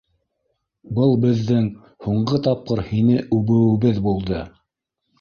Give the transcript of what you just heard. Был беҙҙең һуңғы тапҡыр һине үбеүебеҙ булды.